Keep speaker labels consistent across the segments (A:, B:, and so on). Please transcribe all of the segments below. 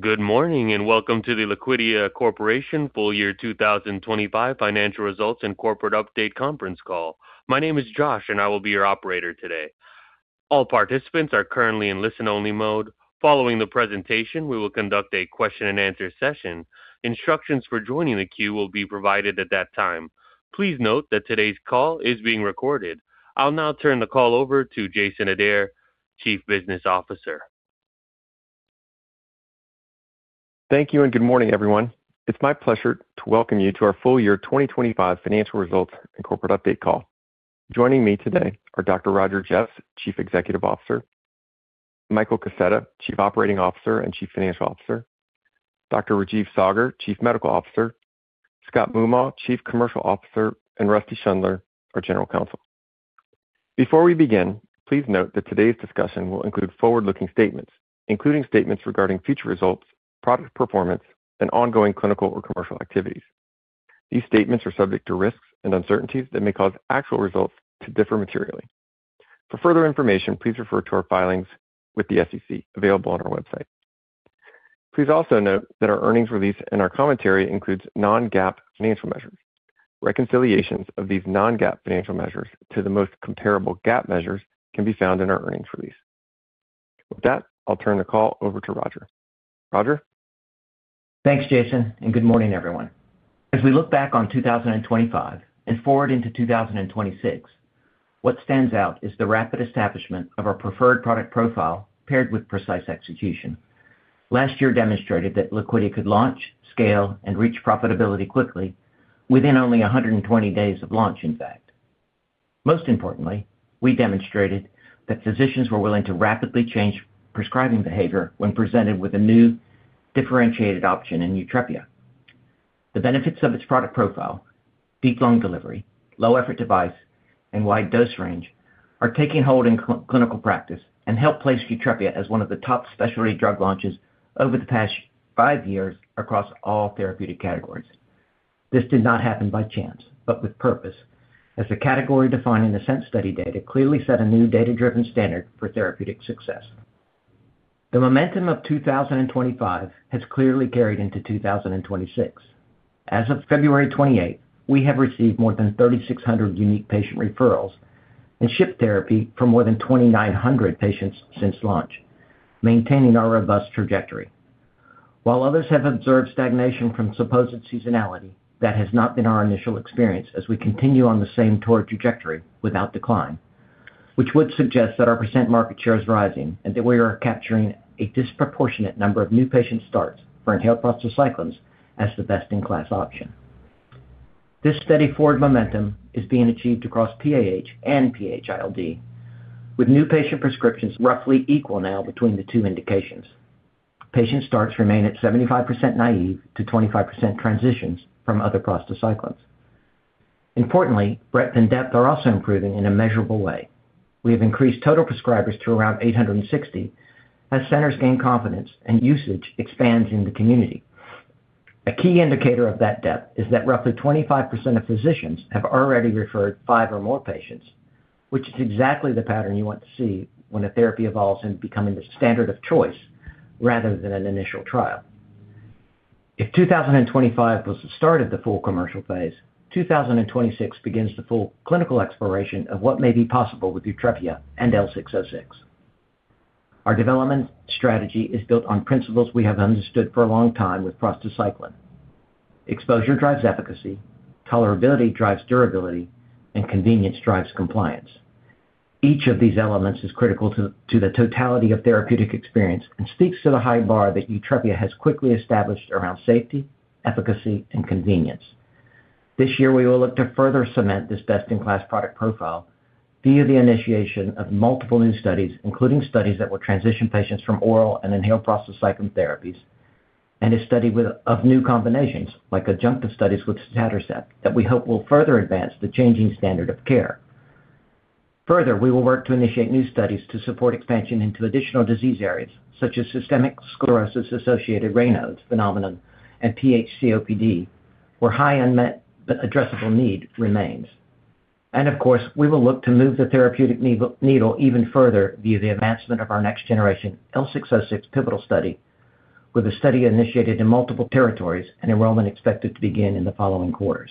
A: Good morning, and welcome to the Liquidia Corporation Full Year 2025 Financial Results and Corporate Update Conference Call. My name is Josh and I will be your operator today. All participants are currently in listen-only mode. Following the presentation, we will conduct a question-and-answer session. Instructions for joining the queue will be provided at that time. Please note that today's call is being recorded. I'll now turn the call over to Jason Adair, Chief Business Officer.
B: Thank you. Good morning, everyone. It's my pleasure to welcome you to our full year 2025 financial results and corporate update call. Joining me today are Dr. Roger Jeffs, Chief Executive Officer, Michael Kaseta, Chief Operating Officer and Chief Financial Officer, Dr. Rajeev Saggar, Chief Medical Officer, Scott Moomaw, Chief Commercial Officer, and Rusty Schundler, our General Counsel. Before we begin, please note that today's discussion will include forward-looking statements, including statements regarding future results, product performance, and ongoing clinical or commercial activities. These statements are subject to risks and uncertainties that may cause actual results to differ materially. For further information, please refer to our filings with the SEC, available on our website. Please also note that our earnings release and our commentary includes non-GAAP financial measures. Reconciliations of these non-GAAP financial measures to the most comparable GAAP measures can be found in our earnings release. With that, I'll turn the call over to Roger. Roger?
C: Thanks, Jason. Good morning, everyone. As we look back on 2025 and forward into 2026, what stands out is the rapid establishment of our preferred product profile paired with precise execution. Last year demonstrated that Liquidia could launch, scale, and reach profitability quickly within only 120 days of launch, in fact. Most importantly, we demonstrated that physicians were willing to rapidly change prescribing behavior when presented with a new differentiated option in YUTREPIA. The benefits of its product profile, deep lung delivery, low effort device, and wide dose range, are taking hold in clinical practice and help place YUTREPIA as one of the top specialty drug launches over the past 5 years across all therapeutic categories. This did not happen by chance, but with purpose, as the category defined in the SENSE study data clearly set a new data-driven standard for therapeutic success. The momentum of 2025 has clearly carried into 2026. As of February 28, we have received more than 3,600 unique patient referrals and shipped therapy for more than 2,900 patients since launch, maintaining our robust trajectory. While others have observed stagnation from supposed seasonality, that has not been our initial experience as we continue on the same tour trajectory without decline, which would suggest that our % market share is rising and that we are capturing a disproportionate number of new patient starts for inhaled prostacyclins as the best-in-class option. This steady forward momentum is being achieved across PAH and PH-ILD, with new patient prescriptions roughly equal now between the two indications. Patient starts remain at 75% naive to 25% transitions from other prostacyclins. Breadth and depth are also improving in a measurable way. We have increased total prescribers to around 860 as centers gain confidence and usage expands in the community. A key indicator of that depth is that roughly 25% of physicians have already referred 5 or more patients, which is exactly the pattern you want to see when a therapy evolves in becoming the standard of choice rather than an initial trial. If 2025 was the start of the full commercial phase, 2026 begins the full clinical exploration of what may be possible with YUTREPIA and L-606. Our development strategy is built on principles we have understood for a long time with prostacyclin. Exposure drives efficacy, tolerability drives durability, and convenience drives compliance. Each of these elements is critical to the totality of therapeutic experience and speaks to the high bar that YUTREPIA has quickly established around safety, efficacy, and convenience. This year, we will look to further cement this best-in-class product profile via the initiation of multiple new studies, including studies that will transition patients from oral and inhaled prostacyclin therapies and a study of new combinations, like adjunctive studies with tadalafil, that we hope will further advance the changing standard of care. Further, we will work to initiate new studies to support expansion into additional disease areas such as systemic sclerosis-associated Raynaud's phenomenon and PH-COPD, where high unmet but addressable need remains. Of course, we will look to move the therapeutic needle even further via the advancement of our next generation L-606 pivotal study, with a study initiated in multiple territories and enrollment expected to begin in the following quarters.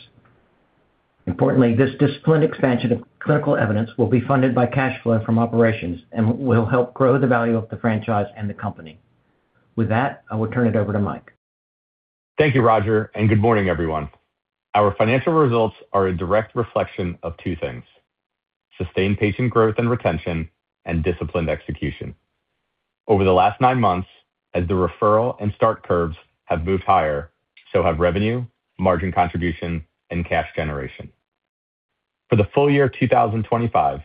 C: Importantly, this disciplined expansion of clinical evidence will be funded by cash flow from operations and will help grow the value of the franchise and the company. With that, I will turn it over to Mike.
B: Thank you, Roger. Good morning, everyone. Our financial results are a direct reflection of two things: sustained patient growth and retention and disciplined execution. Over the last 9 months, as the referral and start curves have moved higher, so have revenue, margin contribution, and cash generation. For the full year 2025,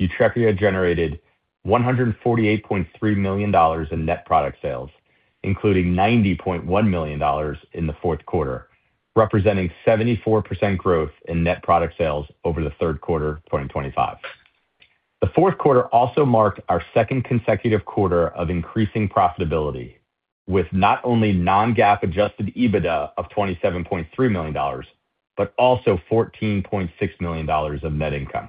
B: YUTREPIA generated $148.3 million in net product sales, including $90.1 million in the fourth quarter, representing 74% growth in net product sales over the third quarter 2025. The fourth quarter also marked our second consecutive quarter of increasing profitability with not only non-GAAP adjusted EBITDA of $27.3 million, but also $14.6 million of net income.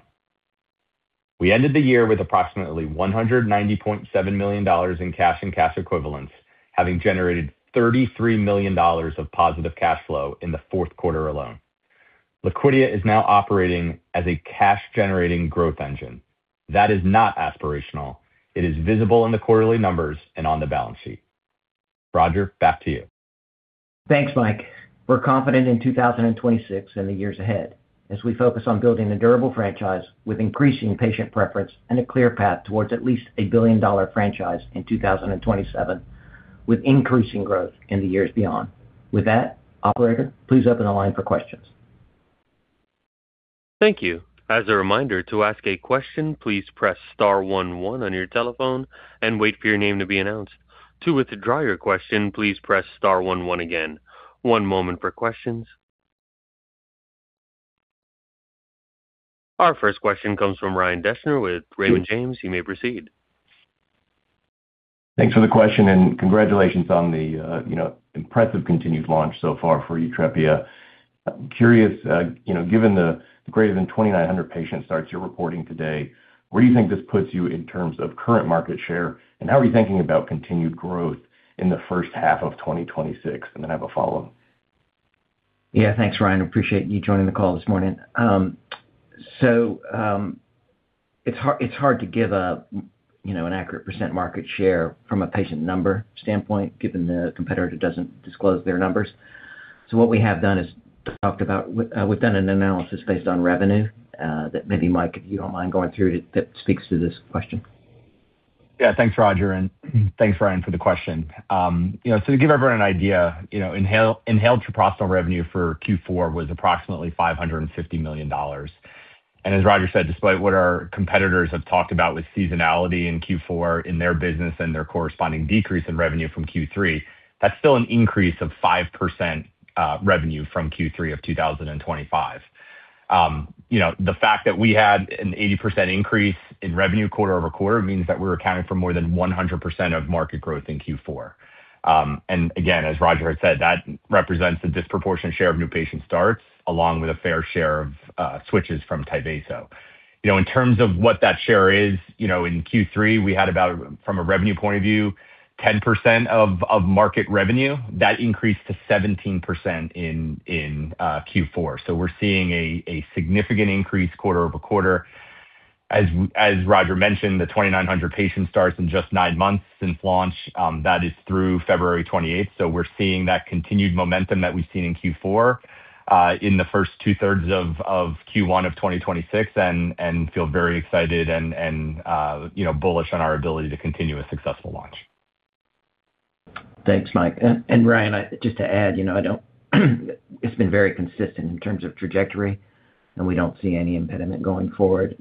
D: We ended the year with approximately $190.7 million in cash and cash equivalents, having generated $33 million of positive cash flow in the fourth quarter alone. Liquidia is now operating as a cash-generating growth engine. That is not aspirational. It is visible in the quarterly numbers and on the balance sheet. Roger, back to you.
C: Thanks, Mike. We're confident in 2026 and the years ahead as we focus on building a durable franchise with increasing patient preference and a clear path towards at least a billion-dollar franchise in 2027, with increasing growth in the years beyond. Operator, please open the line for questions.
A: Thank you. As a reminder, to ask a question, please press star one one on your telephone and wait for your name to be announced. To withdraw your question, please press star one-one again. One moment for questions. Our first question comes from Ryan Deschner with Raymond James. You may proceed.
E: Thanks for the question. Congratulations on the, you know, impressive continued launch so far for YUTREPIA. Curious, you know, given the greater than 2,900 patient starts you're reporting today, where do you think this puts you in terms of current market share, and how are you thinking about continued growth in the first half of 2026? I have a follow-up.
C: Yeah. Thanks, Ryan. Appreciate you joining the call this morning. It's hard to give a, you know, an accurate % market share from a patient number standpoint, given the competitor doesn't disclose their numbers. What we have done is we've done an analysis based on revenue, that maybe, Mike, if you don't mind going through that speaks to this question.
D: Yeah. Thanks, Roger, and thanks, Ryan, for the question. You know, so to give everyone an idea, you know, inhaled treprostinil revenue for Q4 was approximately $550 million. As Roger said, despite what our competitors have talked about with seasonality in Q4 in their business and their corresponding decrease in revenue from Q3, that's still an increase of 5% revenue from Q3 of 2025. You know, the fact that we had an 80% increase in revenue quarter-over-quarter means that we're accounting for more than 100% of market growth in Q4. Again, as Roger had said, that represents a disproportionate share of new patient starts, along with a fair share of switches from Tyvaso. You know, in terms of what that share is, you know, in Q3, we had about, from a revenue point of view, 10% of market revenue. That increased to 17% in Q4. We're seeing a significant increase quarter-over-quarter. As Roger mentioned, the 2,900 patient starts in just 9 months since launch, that is through February 28th. We're seeing that continued momentum that we've seen in Q4, in the first two-thirds of Q1 of 2026 and feel very excited and, you know, bullish on our ability to continue a successful launch.
C: Thanks, Mike. Ryan, just to add, you know, it's been very consistent in terms of trajectory, and we don't see any impediment going forward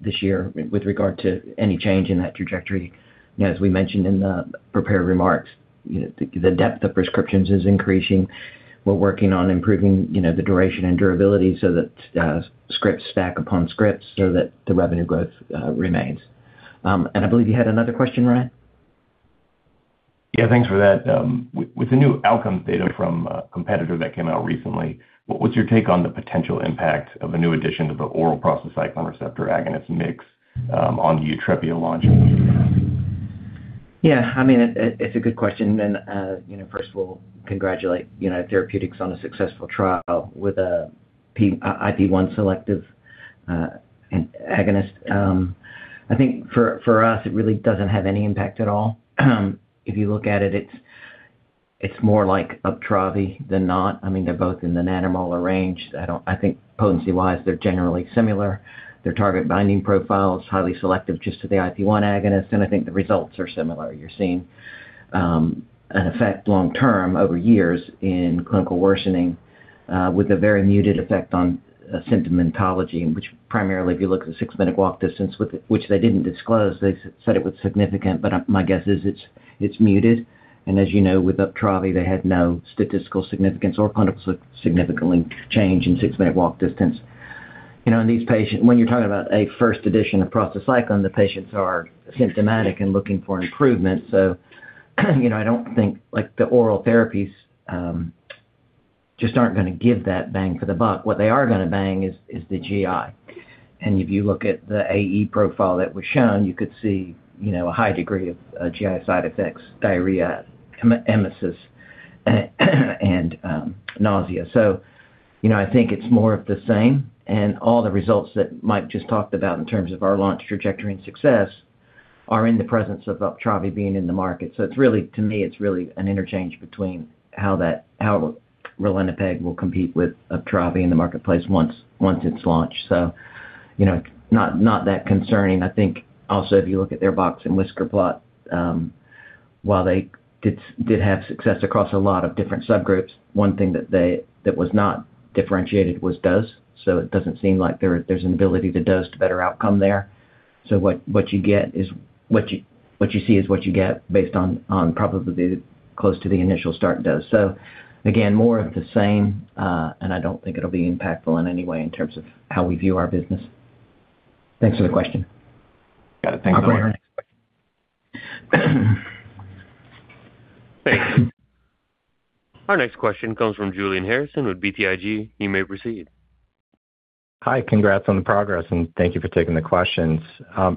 C: this year with regard to any change in that trajectory. You know, as we mentioned in the prepared remarks, you know, the depth of prescriptions is increasing. We're working on improving, you know, the duration and durability so that scripts stack upon scripts so that the revenue growth remains. I believe you had another question, Ryan.
E: Yeah, thanks for that. With the new outcomes data from a competitor that came out recently, what's your take on the potential impact of a new addition to the oral prostacyclin receptor agonist mix, on the YUTREPIA launch?
C: Yeah, I mean, it's a good question. You know, first of all, congratulate, you know, Therapeutics on a successful trial with a IP1 selective agonist. I think for us, it really doesn't have any impact at all. If you look at it's more like Uptravi than not. I mean, they're both in the nanomolar range. I think potency-wise, they're generally similar. Their target binding profile is highly selective just to the IP1 agonist. I think the results are similar. You're seeing an effect long-term over years in clinical worsening with a very muted effect on symptomatology, which primarily, if you look at the six-minute walk distance, which they didn't disclose, they said it was significant. My guess is it's muted. As you know, with Uptravi, they had no statistical significance or clinical significantly change in six-minute walk distance. You know, in these patients, when you're talking about a first edition of prostacyclin, the patients are symptomatic and looking for improvement. You know, I don't think like the oral therapies just aren't gonna give that bang for the buck. What they are gonna bang is the GI. If you look at the AE profile that was shown, you could see, you know, a high degree of GI side effects, diarrhea, emesis, and nausea. You know, I think it's more of the same. All the results that Mike just talked about in terms of our launch trajectory and success are in the presence of Uptravi being in the market. To me, it's really an interchange between how ralinepag will compete with Uptravi in the marketplace once it's launched. You know, not that concerning. I think also if you look at their box and whisker plot, while they did have success across a lot of different subgroups, one thing that was not differentiated was dose. It doesn't seem like there's an ability to dose to better outcome there. What you get is what you see is what you get based on probability close to the initial start dose. Again, more of the same, and I don't think it'll be impactful in any way in terms of how we view our business. Thanks for the question.
E: Got it. Thanks.
C: Operator.
A: Our next question comes from Julian Harrison with BTIG. You may proceed.
F: Hi. Congrats on the progress. Thank you for taking the questions.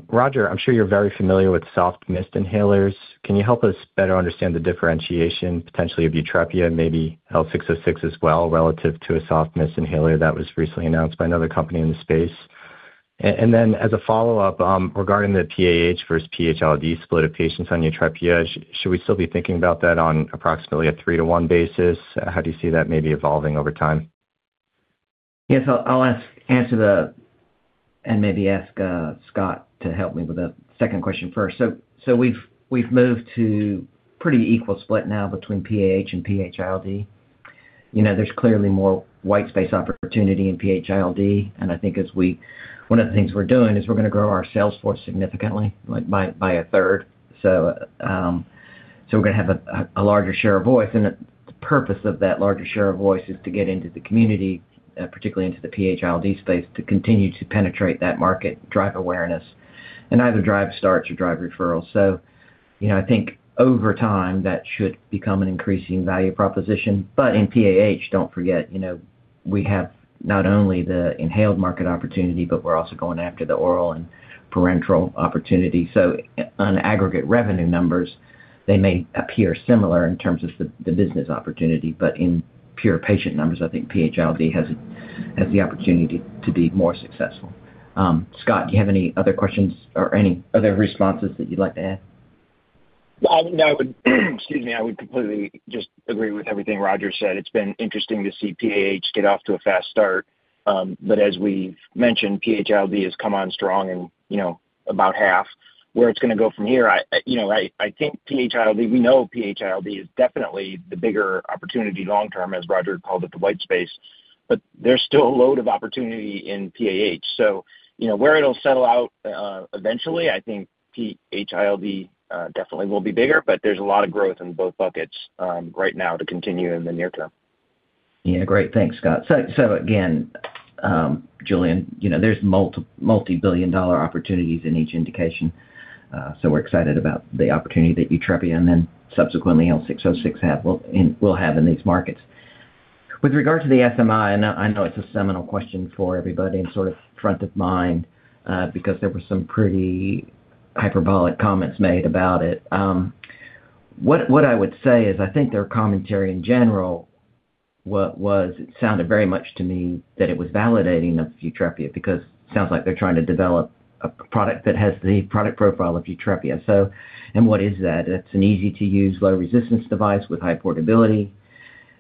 F: Roger, I'm sure you're very familiar with soft mist inhalers. Can you help us better understand the differentiation potentially of YUTREPIA, maybe L-606 as well, relative to a soft mist inhaler that was recently announced by another company in the space? Then as a follow-up, regarding the PAH versus PH-ILD split of patients on YUTREPIA, should we still be thinking about that on approximately a 3-to-1 basis? How do you see that maybe evolving over time?
C: Yes, I'll answer the. Maybe ask Scott to help me with the second question first. We've moved to pretty equal split now between PAH and PH-ILD. You know, there's clearly more white space opportunity in PH-ILD, and I think one of the things we're doing is we're gonna grow our sales force significantly, like by a third. We're gonna have a larger share of voice. The purpose of that larger share of voice is to get into the community, particularly into the PH-ILD space, to continue to penetrate that market, drive awareness and either drive starts or drive referrals. You know, I think over time, that should become an increasing value proposition. In PAH, don't forget, you know, we have not only the inhaled market opportunity, but we're also going after the oral and parenteral opportunity. On aggregate revenue numbers, they may appear similar in terms of the business opportunity. In pure patient numbers, I think PHILD has the opportunity to be more successful. Scott, do you have any other questions or any other responses that you'd like to add?
G: No, I would, excuse me. I would completely just agree with everything Roger said. It's been interesting to see PAH get off to a fast start. As we've mentioned, PH-ILD has come on strong and you know, about half. Where it's gonna go from here, I, you know, I think PH-ILD, we know PH-ILD is definitely the bigger opportunity long term, as Roger called it, the white space. There's still a load of opportunity in PAH. You know, where it'll settle out, eventually, I think PH-ILD definitely will be bigger, but there's a lot of growth in both buckets right now to continue in the near term.
C: Yeah. Great. Thanks, Scott. Again, Julian, you know, there's multibillion-dollar opportunities in each indication. We're excited about the opportunity that YUTREPIA and then subsequently L-606 will have in these markets. With regard to the SMI, I know it's a seminal question for everybody and sort of front of mind, because there were some pretty hyperbolic comments made about it. What I would say is I think their commentary in general was it sounded very much to me that it was validating of YUTREPIA because it sounds like they're trying to develop a product that has the product profile of YUTREPIA. What is that? It's an easy-to-use, low resistance device with high portability.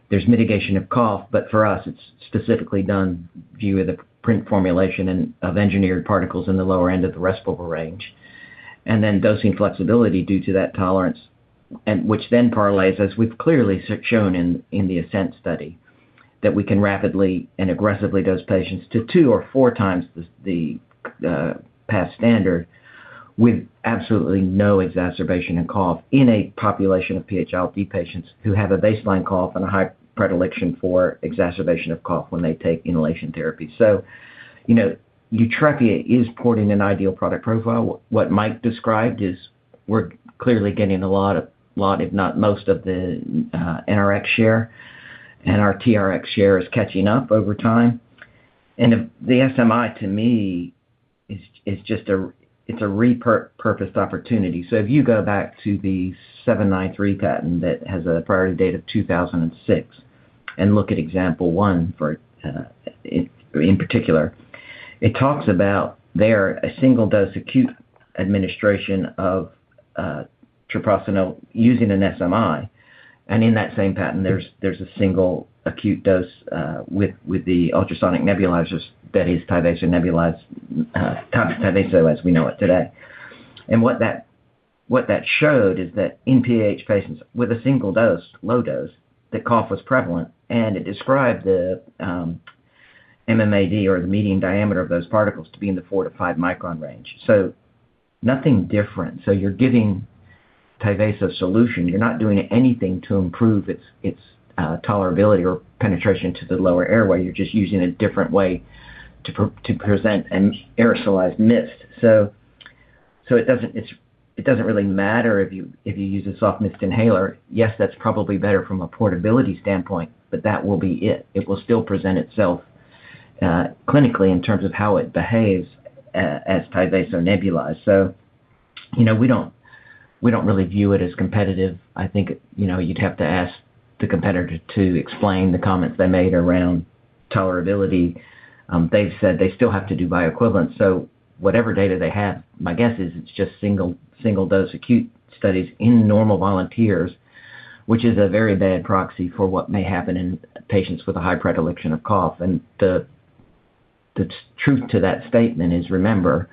C: There's mitigation of cough. For us, it's specifically done due to the print formulation and of engineered particles in the lower end of the respiratory range. Dosing flexibility due to that tolerance and which then correlates, as we've clearly shown in the ASCENT study, that we can rapidly and aggressively dose patients to two or four times the past standard with absolutely no exacerbation of cough in a population of PH-ILD patients who have a baseline cough and a high predilection for exacerbation of cough when they take inhalation therapy. You know, YUTREPIA is porting an ideal product profile. What Mike described is we're clearly getting a lot, if not most of the NRx share, and our TRX share is catching up over time. The SMI to me is just a, it's a repurposed opportunity. If you go back to the '793 patent that has a priority date of 2006 and look at example one for, in particular. It talks about there a single-dose acute administration of treprostinil using an SMI. In that same patent, there's a single acute dose with the ultrasonic nebulizers, that is Tyvaso as we know it today. What that, what that showed is that in PAH patients with a single dose, low dose, that cough was prevalent. It described the MMAD or the median diameter of those particles to be in the 4-5 micron range. Nothing different. You're giving Tyvaso solution. You're not doing anything to improve its tolerability or penetration to the lower airway. You're just using a different way to present an aerosolized mist. It doesn't really matter if you use a soft mist inhaler. Yes, that's probably better from a portability standpoint, but that will be it. It will still present itself clinically in terms of how it behaves as Tyvaso nebulized. You know, we don't really view it as competitive. I think, you know, you'd have to ask the competitor to explain the comments they made around tolerability. They've said they still have to do bioequivalence, so whatever data they have, my guess is it's just single-dose acute studies in normal volunteers, which is a very bad proxy for what may happen in patients with a high predilection of cough. The truth to that statement is, remember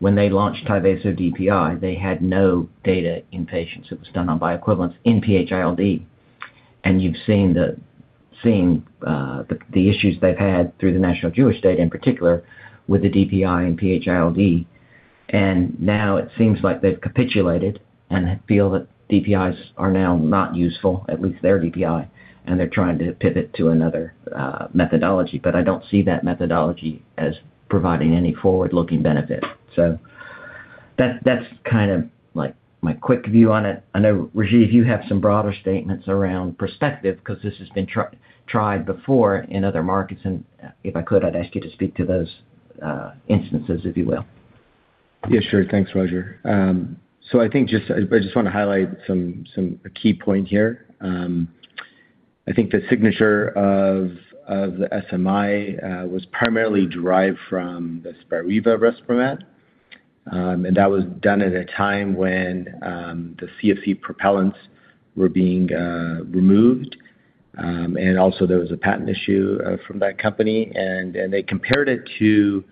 C: when they launched Tyvaso DPI, they had no data in patients. It was done on bioequivalence in PHILD. You've seen the issues they've had through the National Jewish Health, in particular with the DPI and PH-ILD. Now it seems like they've capitulated and feel that DPIs are now not useful, at least their DPI, and they're trying to pivot to another methodology. I don't see that methodology as providing any forward-looking benefit. That's, that's kind of like my quick view on it. I know, Rajeev, you have some broader statements around perspective because this has been tried before in other markets. If I could, I'd ask you to speak to those instances, if you will.
H: Yeah, sure. Thanks, Roger. I think I just want to highlight some key point here. I think the signature of the SMI was primarily derived from the Spiriva Respimat, and that was done at a time when the CFC propellants were being removed, there was a patent issue from that company. They compared it to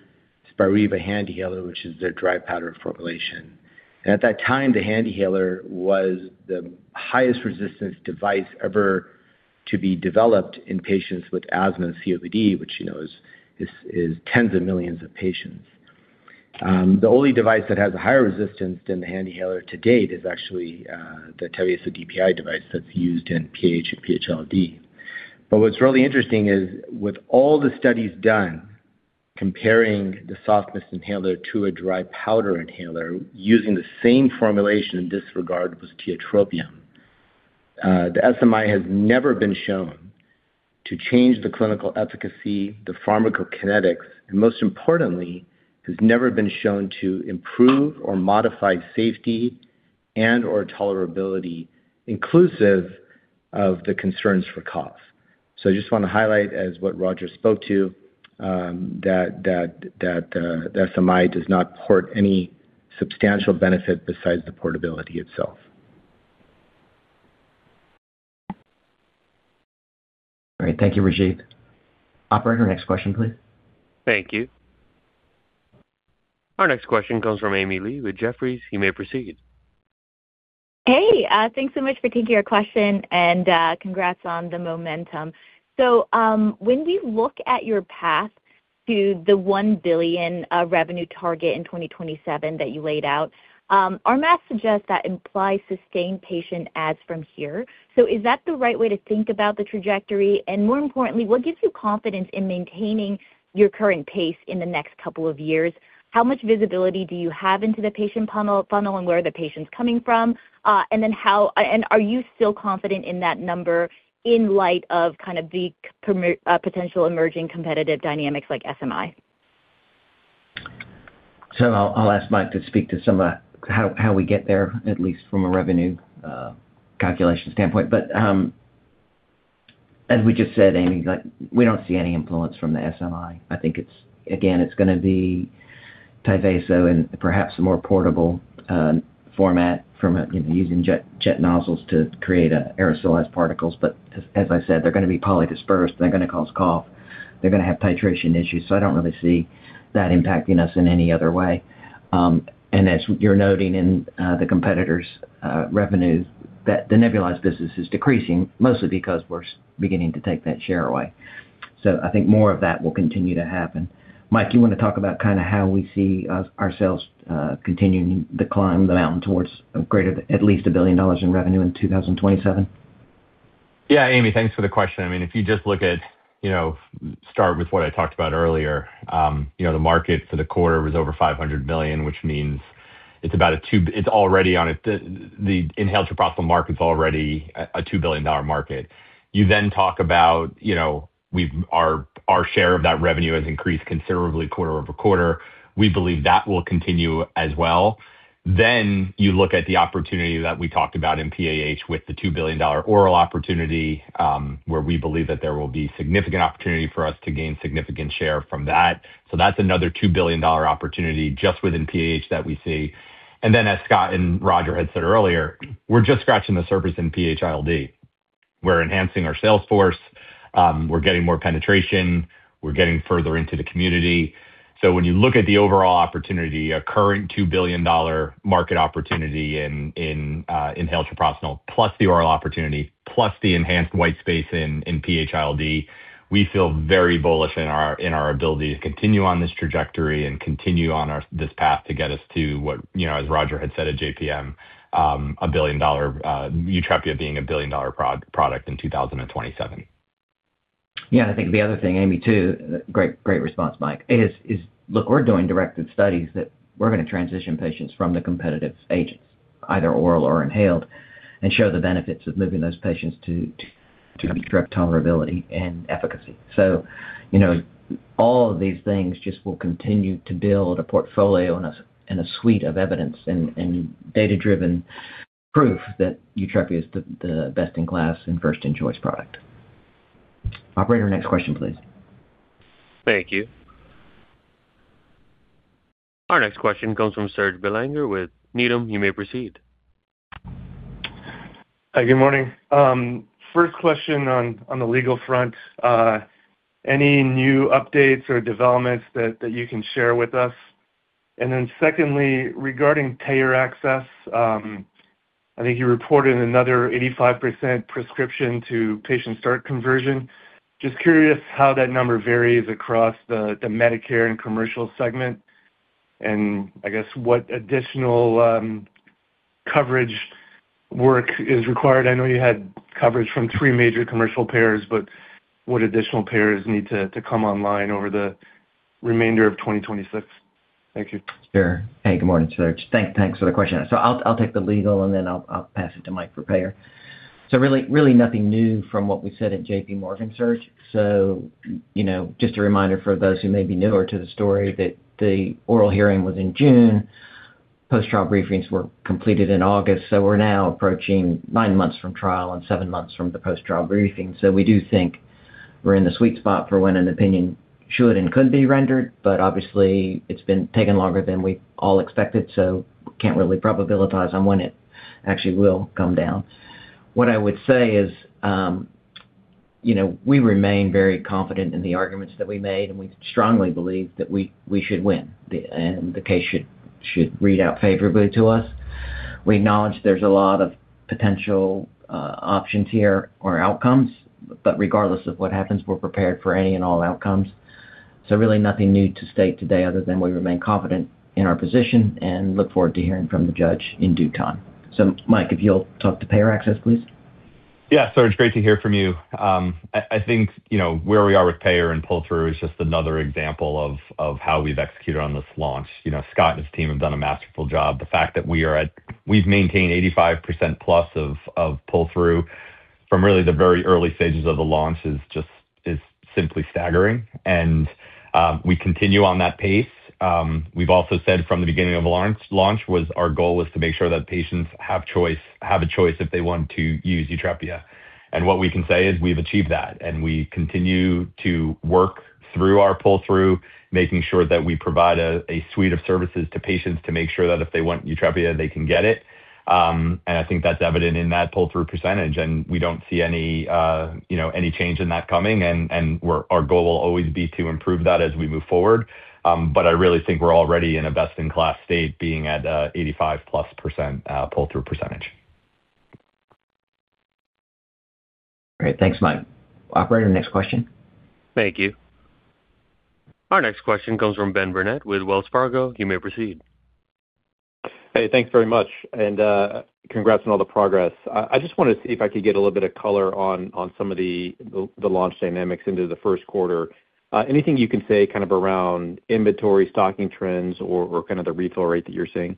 H: Spiriva HandiHaler, which is their dry powder formulation. At that time, the HandiHaler was the highest resistance device ever to be developed in patients with asthma and COPD, which you know is tens of millions of patients. The only device that has a higher resistance than the HandiHaler to date is actually the Tyvaso DPI device that's used in PAH and PH-ILD. What's really interesting is, with all the studies done comparing the soft mist inhaler to a dry powder inhaler using the same formulation in disregard with tiotropium, the SMI has never been shown to change the clinical efficacy, the pharmacokinetics, and most importantly, has never been shown to improve or modify safety and/or tolerability inclusive of the concerns for cough. I just want to highlight as what Roger spoke to, that the SMI does not port any substantial benefit besides the portability itself.
C: All right. Thank you, Rajeev. Operator, next question, please.
A: Thank you. Our next question comes from Ami Fadia with Jefferies. You may proceed.
I: Hey, thanks so much for taking your question and congrats on the momentum. When we look at your path to the $1 billion revenue target in 2027 that you laid out, our math suggests that implies sustained patient adds from here. Is that the right way to think about the trajectory? More importantly, what gives you confidence in maintaining your current pace in the next couple of years? How much visibility do you have into the patient funnel and where are the patients coming from? Are you still confident in that number in light of kind of the potential emerging competitive dynamics like SMI?
C: I'll ask Mike to speak to some of that, how we get there, at least from a revenue calculation standpoint. As we just said, Amy, like we don't see any influence from the SMI. I think it's, again, it's gonna be Tyvaso and perhaps a more portable format from a, you know, using jet nozzles to create aerosolized particles. As I said, they're gonna be polydispersed, they're gonna cause cough, they're gonna have titration issues. I don't really see that impacting us in any other way. As you're noting in the competitors' revenues, that the nebulized business is decreasing mostly because we're beginning to take that share away. I think more of that will continue to happen. Mike, do you want to talk about kind of how we see our sales continuing to climb the mountain towards a greater than at least $1 billion in revenue in 2027?
D: Yeah, Ami, thanks for the question. I mean, if you just look at, you know, start with what I talked about earlier, you know, the market for the quarter was over $500 billion, which means The inhaled treprostinil market's already a $2 billion market. You talk about, you know, our share of that revenue has increased considerably quarter-over-quarter. We believe that will continue as well. You look at the opportunity that we talked about in PAH with the $2 billion oral opportunity, where we believe that there will be significant opportunity for us to gain significant share from that. That's another $2 billion opportunity just within PAH that we see. As Scott and Roger had said earlier, we're just scratching the surface in PH-ILD. We're enhancing our sales force. We're getting more penetration. We're getting further into the community. When you look at the overall opportunity, a current $2 billion market opportunity in inhaled treprostinil, plus the oral opportunity, plus the enhanced white space in PH-ILD, we feel very bullish in our ability to continue on this trajectory and continue on this path to get us to what, you know, as Roger had said at JPM, a billion-dollar YUTREPIA being a billion-dollar product in 2027.
C: I think the other thing, Amy, too, great response, Mike, is, look, we're doing directed studies that we're gonna transition patients from the competitive agents, either oral or inhaled, and show the benefits of moving those patients to direct tolerability and efficacy. You know, all of these things just will continue to build a portfolio and a suite of evidence and data-driven proof that YUTREPIA is the best in class and first in choice product. Operator, next question, please.
A: Thank you. Our next question comes from Serge Belanger with Needham. You may proceed.
J: Hi, good morning. First question on the legal front. Any new updates or developments that you can share with us? Secondly, regarding payer access, I think you reported another 85% prescription to patient start conversion. Just curious how that number varies across the Medicare and commercial segment. I guess what additional Coverage work is required. I know you had coverage from 3 major commercial payers, but would additional payers need to come online over the remainder of 2026? Thank you.
C: Sure. Hey, good morning, Serge. Thanks for the question. I'll take the legal, and then I'll pass it to Mike for payer. Really nothing new from what we said at J.P. Morgan, Serge. You know, just a reminder for those who may be newer to the story that the oral hearing was in June. Post-trial briefings were completed in August. We're now approaching nine months from trial and seven months from the post-trial briefing. We do think we're in the sweet spot for when an opinion should and could be rendered, but obviously it's been taking longer than we all expected, can't really probabilitize on when it actually will come down. What I would say is, you know, we remain very confident in the arguments that we made, and we strongly believe that we should win the case and the case should read out favorably to us. We acknowledge there's a lot of potential options here or outcomes, but regardless of what happens, we're prepared for any and all outcomes. Really nothing new to state today other than we remain confident in our position and look forward to hearing from the judge in due time. Mike, if you'll talk to payer access, please.
D: Yeah. Serge, great to hear from you. I think, you know, where we are with payer and pull-through is just another example of how we've executed on this launch. You know, Scott and his team have done a masterful job. The fact that we've maintained 85% plus of pull-through from really the very early stages of the launch is simply staggering. We continue on that pace. We've also said from the beginning of the launch was our goal was to make sure that patients have a choice if they want to use YUTREPIA. What we can say is we've achieved that, and we continue to work through our pull-through, making sure that we provide a suite of services to patients to make sure that if they want YUTREPIA, they can get it. I think that's evident in that pull-through percentage, and we don't see any, you know, any change in that coming, and our goal will always be to improve that as we move forward. I really think we're already in a best-in-class state, being at 85+% pull-through percentage.
J: Great. Thanks, Mike. Operator, next question.
A: Thank you. Our next question comes from Benjamin Burnett with Wells Fargo. You may proceed.
K: Hey, thanks very much. Congrats on all the progress. I just wanted to see if I could get a little bit of color on some of the launch dynamics into the first quarter. Anything you can say kind of around inventory, stocking trends or kind of the refill rate that you're seeing?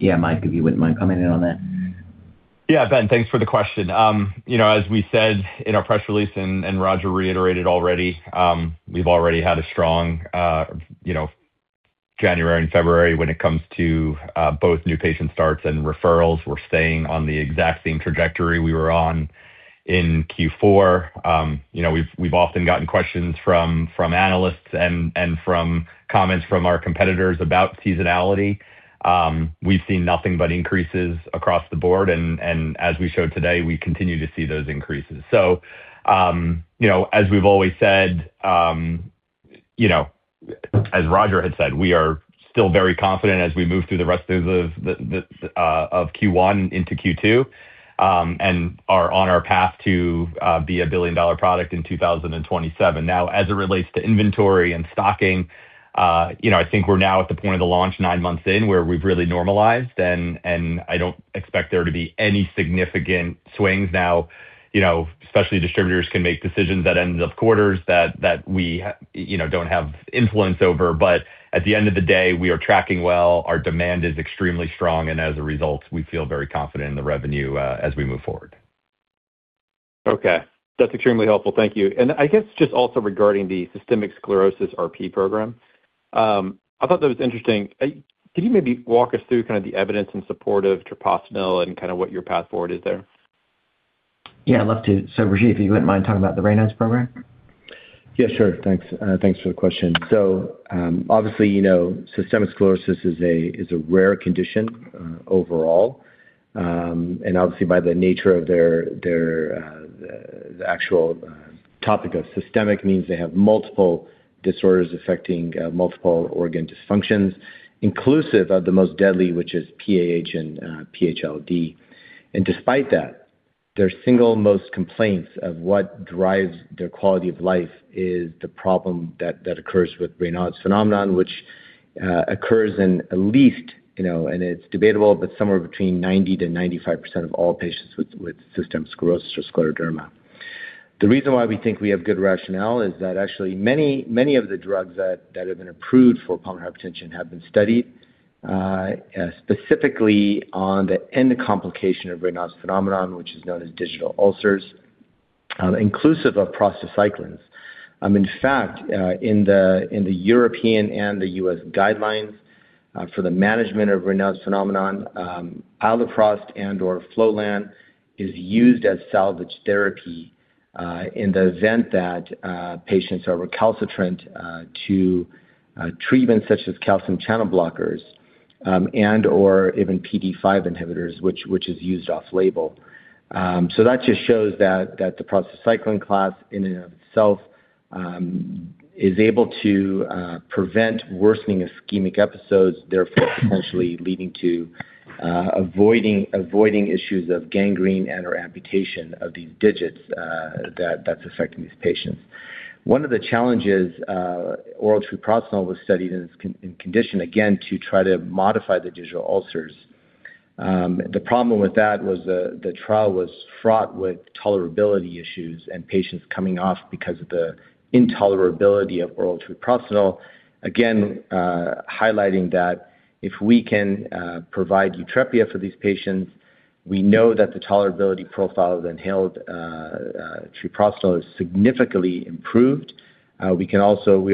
C: Yeah. Mike, if you wouldn't mind commenting on that.
D: Yeah. Ben, thanks for the question. You know, as we said in our press release, Roger reiterated already, we've already had a strong, you know, January and February when it comes to both new patient starts and referrals. We're staying on the exact same trajectory we were on in Q4. You know, we've often gotten questions from analysts and from comments from our competitors about seasonality. We've seen nothing but increases across the board and as we showed today, we continue to see those increases. You know, as we've always said, you know, as Roger had said, we are still very confident as we move through the rest of Q1 into Q2 and are on our path to be a billion-dollar product in 2027. As it relates to inventory and stocking, you know, I think we're now at the point of the launch nine months in where we've really normalized and I don't expect there to be any significant swings. You know, specialty distributors can make decisions at end of quarters that, you know, don't have influence over. At the end of the day, we are tracking well, our demand is extremely strong, and as a result, we feel very confident in the revenue, as we move forward.
K: Okay. That's extremely helpful. Thank you. I guess just also regarding the systemic sclerosis RP program, I thought that was interesting. Could you maybe walk us through kind of the evidence in support of treprostinil and kind of what your path forward is there?
C: Yeah, I'd love to. Rajeev, if you wouldn't mind talking about the Raynaud's program.
H: Yeah, sure. Thanks. Thanks for the question. Obviously, you know, systemic sclerosis is a rare condition overall. Obviously, by the nature of their the actual topic of systemic means they have multiple disorders affecting multiple organ dysfunctions, inclusive of the most deadly, which is PAH and PHLD. Despite that, their single most complaints of what drives their quality of life is the problem that occurs with Raynaud's phenomenon, which occurs in at least, you know, and it's debatable, but somewhere between 90% to 95% of all patients with systemic sclerosis or scleroderma. The reason why we think we have good rationale is that actually many, many of the drugs that have been approved for pulmonary hypertension have been studied specifically on the end complication of Raynaud's phenomenon, which is known as digital ulcers, inclusive of prostacyclins. In fact, in the European and the U.S. guidelines for the management of Raynaud's phenomenon, iloprost and/or Flolan is used as salvage therapy in the event that patients are recalcitrant to treatments such as calcium channel blockers, and/or even PDE5 inhibitors, which is used off-label. That just shows that the prostacyclin class in and of itself is able to prevent worsening ischemic episodes, therefore potentially leading to avoiding issues of gangrene and/or amputation of these digits that's affecting these patients. One of the challenges, oral treprostinil was studied in this in condition, again, to try to modify the digital ulcers. The problem with that was the trial was fraught with tolerability issues and patients coming off because of the intolerability of oral treprostinil. Again, highlighting that if we can provide YUTREPIA for these patients, we know that the tolerability profile of inhaled treprostinil is significantly improved. We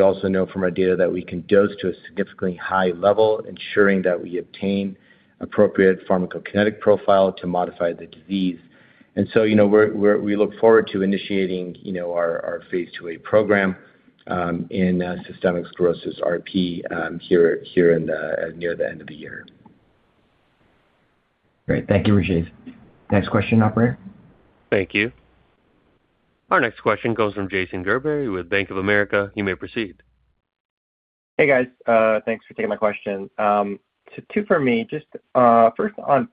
H: also know from our data that we can dose to a significantly high level, ensuring that we obtain appropriate pharmacokinetic profile to modify the disease. You know, we're we look forward to initiating, you know, our phase 2A program in systemic sclerosis RP, here in the near the end of the year.
C: Great. Thank you, Rajeev. Next question, operator.
A: Thank you. Our next question comes from Jason Gerberry with Bank of America. You may proceed.
L: Hey, guys. Thanks for taking my question. Two for me. Just first on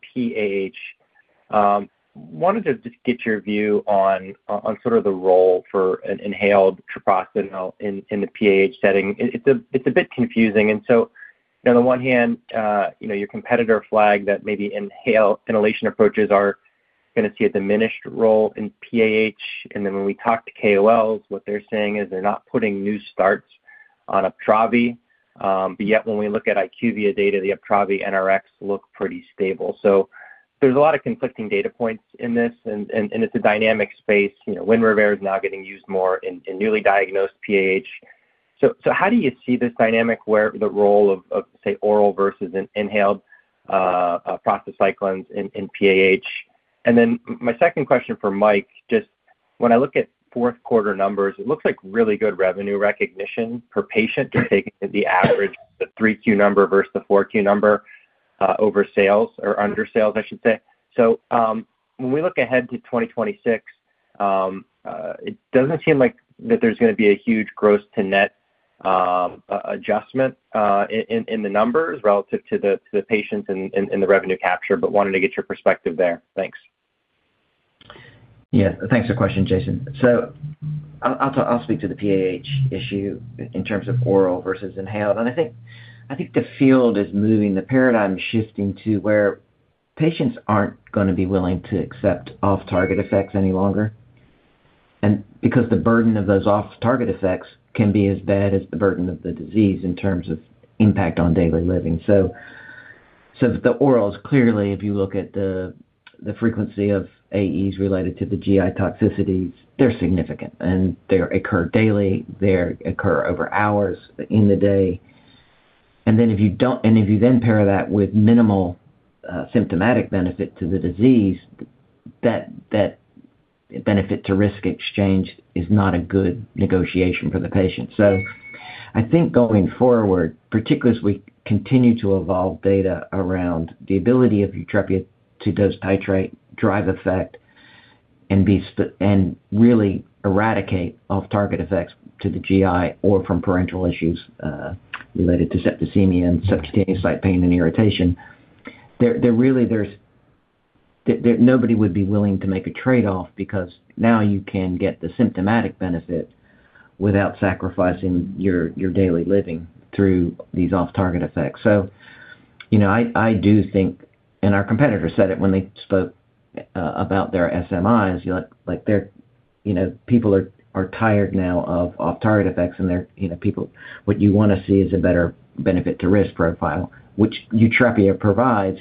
L: PAH. Wanted to just get your view on sort of the role for an inhaled treprostinil in the PAH setting. It's a bit confusing. You know, on the one hand, you know, your competitor flagged that maybe inhalation approaches are gonna see a diminished role in PAH. When we talk to KOLs, what they're saying is they're not putting new starts on Uptravi. Yet when we look at IQVIA data, the Uptravi NRx look pretty stable. There's a lot of conflicting data points in this, and it's a dynamic space. You know, Winrevair is now getting used more in newly diagnosed PAH. How do you see this dynamic where the role of, say, oral versus an inhaled prostacyclins in PAH? Then my second question for Mike, just when I look at fourth quarter numbers, it looks like really good revenue recognition per patient to take the average, the 3Q number versus the 4Q number, over sales or under sales, I should say. When we look ahead to 2026, it doesn't seem like that there's gonna be a huge gross to net adjustment in the numbers relative to the patients and the revenue capture, but wanted to get your perspective there. Thanks.
C: Thanks for the question, Jason. I'll speak to the PAH issue in terms of oral versus inhaled. I think the field is moving, the paradigm shifting to where patients aren't gonna be willing to accept off-target effects any longer. Because the burden of those off-target effects can be as bad as the burden of the disease in terms of impact on daily living. So the orals, clearly, if you look at the frequency of AEs related to the GI toxicities, they're significant, and they occur daily. They occur over hours in the day. If you then pair that with minimal symptomatic benefit to the disease, that benefit to risk exchange is not a good negotiation for the patient. I think going forward, particularly as we continue to evolve data around the ability of YUTREPIA to dose titrate, drive effect, and really eradicate off-target effects to the GI or from parenteral issues related to septicemia and subcutaneous site pain and irritation. There really nobody would be willing to make a trade-off because now you can get the symptomatic benefit without sacrificing your daily living through these off-target effects. You know, I do think, and our competitor said it when they spoke about their SMIs, you know, like they're, you know, people are tired now of off-target effects and, you know, people. What you wanna see is a better benefit to risk profile, which YUTREPIA provides.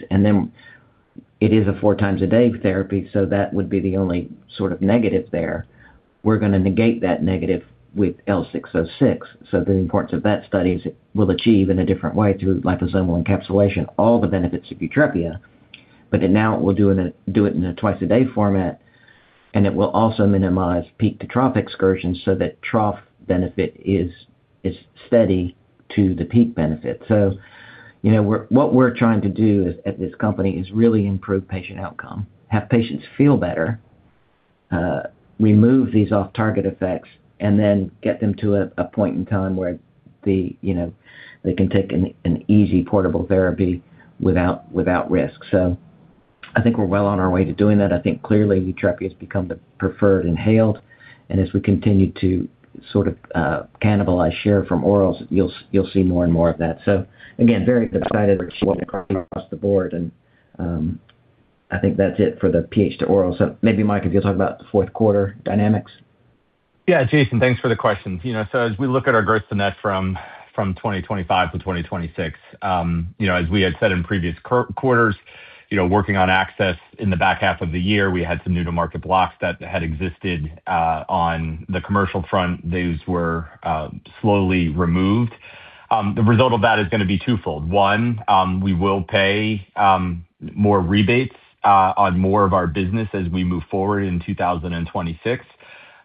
C: It is a four times a day therapy, so that would be the only sort of negative there. We're gonna negate that negative with L-606. The importance of that study is it will achieve in a different way through liposomal encapsulation all the benefits of YUTREPIA, but then now it will do it in a twice-a-day format, and it will also minimize peak-to-trough excursions so that trough benefit is steady to the peak benefit. You know, what we're trying to do is at this company is really improve patient outcome, have patients feel better, remove these off-target effects, and then get them to a point in time where the, you know, they can take an easy portable therapy without risk. I think we're well on our way to doing that. I think clearly YUTREPIA has become the preferred inhaled, and as we continue to sort of, cannibalize share from orals, you'll see more and more of that. Again, very excited across the board and, I think that's it for the PH to oral. Maybe, Mike, if you'll talk about the fourth quarter dynamics.
H: Yeah. Jason, thanks for the questions. As we look at our gross to net from 2025 to 2026, as we had said in previous quarters, working on access in the back half of the year, we had some new to market blocks that had existed on the commercial front. Those were slowly removed. The result of that is going to be twofold. One, we will pay more rebates on more of our business as we move forward in 2026,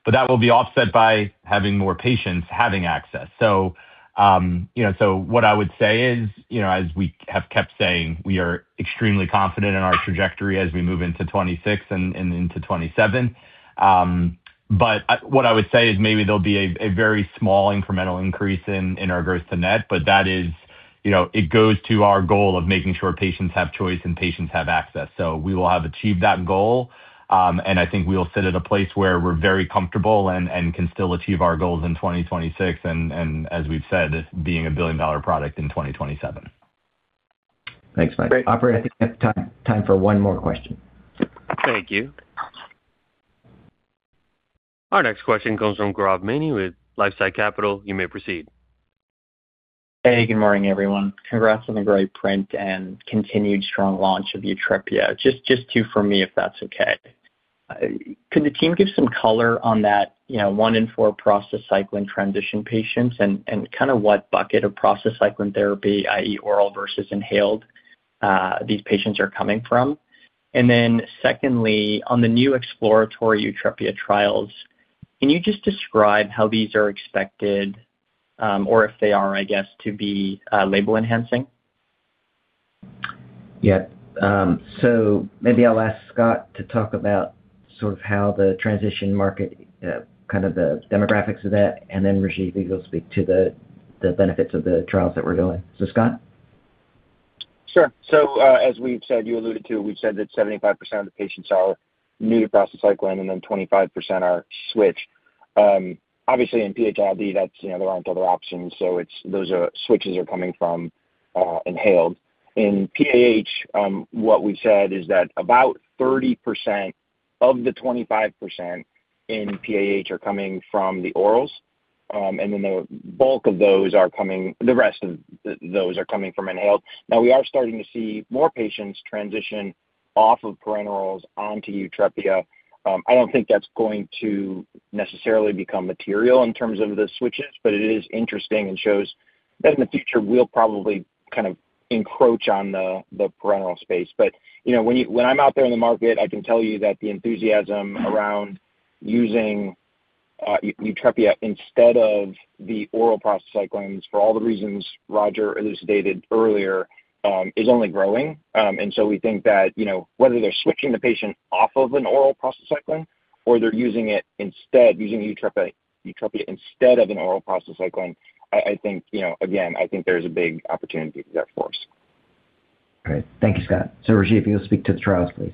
H: but that will be offset by having more patients having access. What I would say is, as we have kept saying, we are extremely confident in our trajectory as we move into 26 and into 27. What I would say is maybe there'll be a very small incremental increase in our gross to net, but that is.
D: You know, it goes to our goal of making sure patients have choice and patients have access. We will have achieved that goal, and I think we will sit at a place where we're very comfortable and can still achieve our goals in 2026 and as we've said, this being a billion-dollar product in 2027.
C: Thanks, Mike.
D: Great.
C: Operator, I think we have time for one more question.
A: Thank you. Our next question comes from Gaurav Maini with LifeSci Capital. You may proceed.
M: Hey, good morning, everyone. Congrats on a great print and continued strong launch of YUTREPIA. Just two for me, if that's okay. Can the team give some color on that, you know, one in four prostacyclin transition patients and kinda what bucket of prostacyclin therapy, i.e., oral versus inhaled, these patients are coming from? Then secondly, on the new exploratory YUTREPIA trials, can you just describe how these are expected, or if they are, I guess, to be, label-enhancing?
C: Yeah. Maybe I'll ask Scott to talk about sort of how the transition market, kind of the demographics of that, and then Rajeev, you can speak to the benefits of the trials that we're doing. Scott?
G: Sure. As we've said, you alluded to, we've said that 75% of the patients are new to prostacyclin, and then 25% are switched. Obviously in PH-ILD, that's, you know, there aren't other options, those are switches are coming from inhaled. In PAH, what we've said is that about 30% of the 25% in PAH are coming from the orals, and then the bulk of those are coming the rest of those are coming from inhaled. We are starting to see more patients transition off of parenterals onto YUTREPIA. I don't think that's going to necessarily become material in terms of the switches, but it is interesting and shows that in the future we'll probably kind of encroach on the parenteral space. You know, when I'm out there in the market, I can tell you that the enthusiasm around using YUTREPIA instead of the oral prostacyclins for all the reasons Roger elucidated earlier, is only growing. We think that, you know, whether they're switching the patient off of an oral prostacyclin or they're using it instead, using YUTREPIA instead of an oral prostacyclin, I think, you know, again, I think there's a big opportunity there for us.
C: Great. Thank you, Scott. Rajeev, if you'll speak to the trials, please.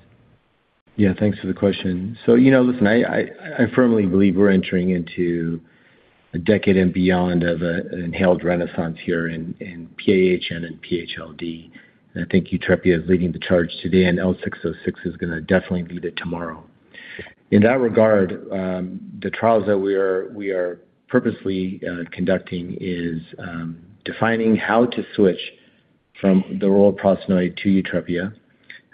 H: Yeah, thanks for the question. You know, listen, I firmly believe we're entering into a decade and beyond of an inhaled renaissance here in PAH and in PH-ILD. I think YUTREPIA is leading the charge today, and L-606 is gonna definitely lead it tomorrow. In that regard, the trials that we are purposely conducting is defining how to switch from the oral prostanoid to YUTREPIA.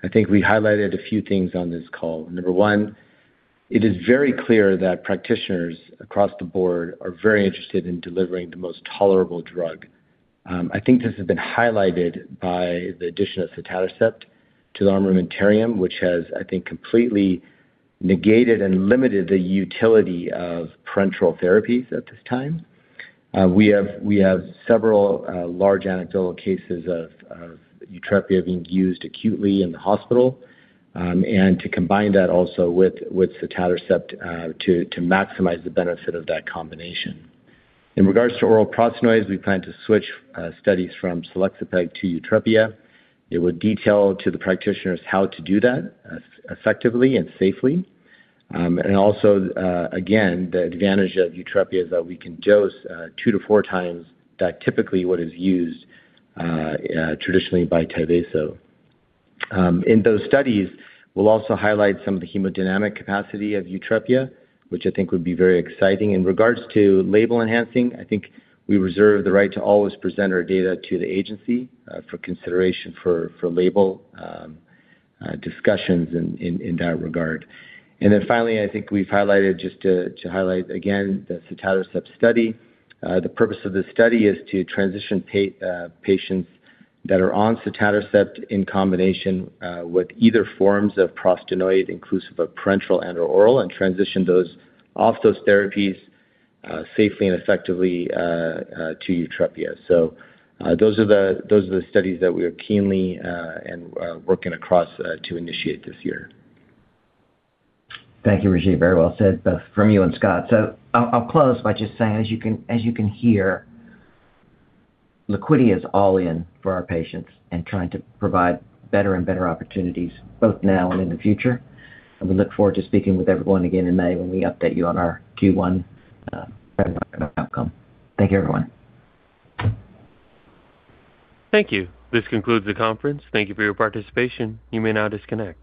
H: I think we highlighted a few things on this call. Number 1, it is very clear that practitioners across the board are very interested in delivering the most tolerable drug. I think this has been highlighted by the addition of sotatercept to the armamentarium, which has, I think, completely negated and limited the utility of parenteral therapies at this time. We have several large anecdotal cases of YUTREPIA being used acutely in the hospital, and to combine that also with sotatercept to maximize the benefit of that combination. In regards to oral prostanoids, we plan to switch studies from selexipag to YUTREPIA. It would detail to the practitioners how to do that effectively and safely. And also, again, the advantage of YUTREPIA is that we can dose 2 to 4 times that typically what is used traditionally by Tyvaso. In those studies, we'll also highlight some of the hemodynamic capacity of YUTREPIA, which I think would be very exciting. In regards to label-enhancing, I think we reserve the right to always present our data to the agency for consideration for label discussions in that regard. Finally, I think we've highlighted just to highlight again the sotatercept study. The purpose of this study is to transition patients that are on sotatercept in combination with either forms of prostanoid inclusive of parenteral and/or oral, and transition those off those therapies safely and effectively to YUTREPIA. Those are the studies that we are keenly and working across to initiate this year.
C: Thank you, Rajeev. Very well said, both from you and Scott. I'll close by just saying, as you can hear, Liquidia Corporation is all in for our patients and trying to provide better and better opportunities both now and in the future. We look forward to speaking with everyone again in May when we update you on our Q1 outcome. Thank you, everyone.
A: Thank you. This concludes the conference. Thank you for your participation. You may now disconnect.